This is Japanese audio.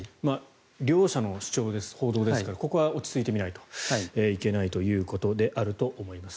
両者の主張、報道ですからここは落ち着いて見ないといけないということであると思います。